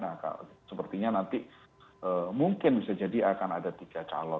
nah sepertinya nanti mungkin bisa jadi akan ada tiga calon